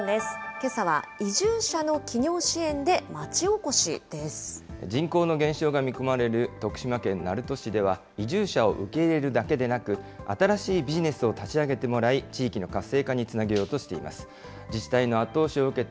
では、Ｅｙｅｓｏｎです、けさは移住者の起業支援で町おこ人口の減少が見込まれる徳島県鳴門市では移住者を受け入れるだけでなく、新しいビジネスを立ち上げてもらい、地域の活性化につなげようとしています。